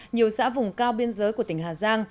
nhiều xã vùng cao biên giới của tỉnh hà giang